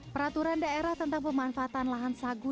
peraturan daerah tentang pemanfaatan lahan sagu